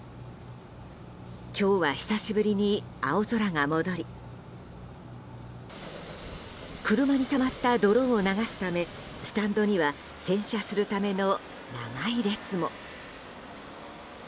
今日は久しぶりに青空が戻り車にたまった泥を流すためスタンドには洗車するための長い列も。